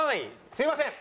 すみません！